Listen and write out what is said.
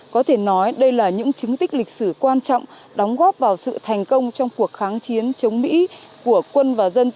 có thể nói đây là những chứng tích lịch sử quan trọng đóng góp vào sự thành công trong cuộc kháng chiến chống mỹ của quân và dân ta